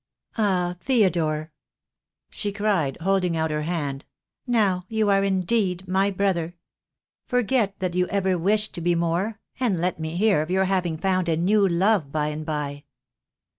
Ah, Theodore," she cried, holding out her hand, "now you are indeed my brother. Forget that you ever 19* 2g2 THE DAY WILL COME. wished to be more, and let me hear of your having found a new love by and by."